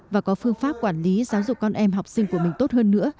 và có phương pháp quản lý giáo dục con em học sinh của mình tốt hơn nữa